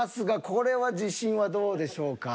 これは自信はどうでしょうか？